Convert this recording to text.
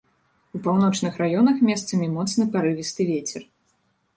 У паўночных раёнах месцамі моцны парывісты вецер.